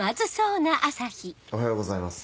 おはようございます。